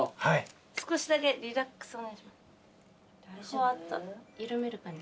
ふわっと緩める感じ。